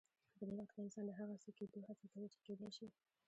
په دې وخت کې انسان د هغه څه کېدو هڅه کوي چې کېدای شي.